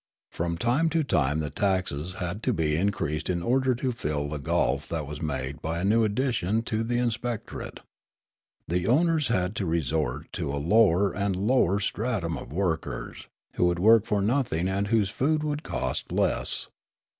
From time to time the taxes had to be increased in order to fill the gulf that was made by a new addition to the inspector ate. The owners had to resort to a lower and lower stratum of workers, who would work for nothing and whose food would cost less.